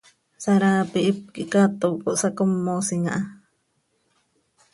Saraapi hipquih cato cohsacómosim aha.